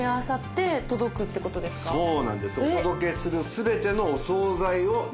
そうなんです。